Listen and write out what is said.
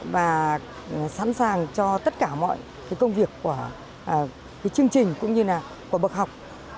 và sẵn sàng cho tất cả mọi công việc của chương trình cũng như là của bậc học